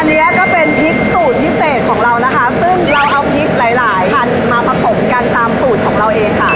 อันนี้ก็เป็นพริกสูตรพิเศษของเรานะคะซึ่งเราเอาพริกหลายหลายพันมาผสมกันตามสูตรของเราเองค่ะ